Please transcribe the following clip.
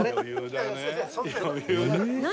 何？